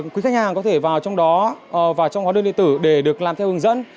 quý khách hàng có thể vào trong đó và trong hóa đơn điện tử để được làm theo hướng dẫn